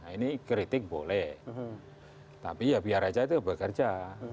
ini kritik boleh tapi ya biar aja itu bekerja